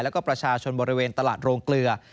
แล้วก็ประชาชนบริเวณตลาดโรงเกลือ